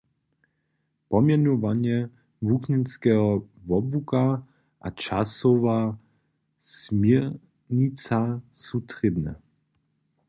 Pomjenowanje wuknjenskeho wobłuka a časowa směrnica su trěbne.